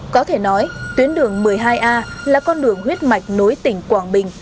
có thể nói tuyến đường một mươi hai a là con đường huyết mạch nối tỉnh quảng bình